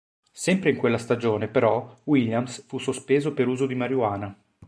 Sempre in quella stagione, però, Williams fu sospeso per uso di marijuana.